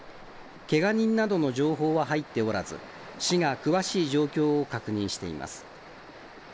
けが人などの情報は入っておらず、市が詳しい状況を確認しています。